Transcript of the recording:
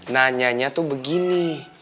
nanyanya tuh begini